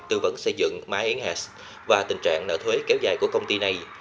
tư vấn xây dựng myenghas và tình trạng nợ thuế kéo dài của công ty này